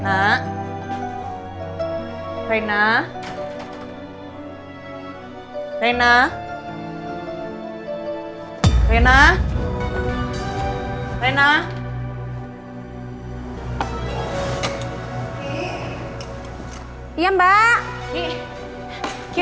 oleh karena pengasuhan aku